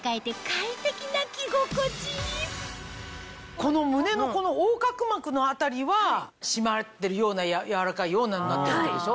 この胸の横隔膜の辺りは締まってるような柔らかいようなになってるわけでしょ？